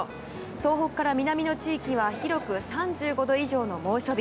東北から南の地域は広く３５度以上の猛暑日。